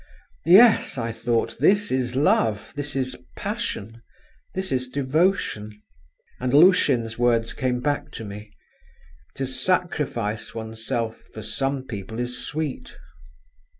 Yes, I thought, this is love, this is passion, this is devotion … and Lushin's words came back to me: to sacrifice oneself for some people is sweet.